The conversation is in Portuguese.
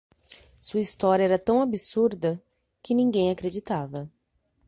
Sua história era tão absurda que ninguém acreditava.